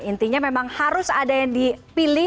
intinya memang harus ada yang dipilih